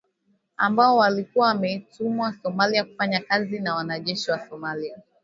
Ambao walikuwa wametumwa Somalia kufanya kazi na wanajeshi wa Somalia.